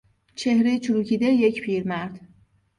چهرهی چروکیدهی یک پیرمرد